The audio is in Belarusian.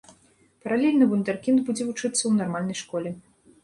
Паралельна вундэркінд будзе вучыцца ў нармальнай школе.